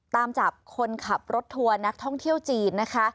ตามจับคนขับรถทัวร์นักท่องเที่ยวจีนนะคะ